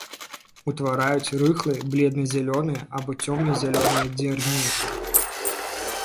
Утвараюць рыхлыя бледна-зялёныя або цёмна-зялёныя дзярнінкі.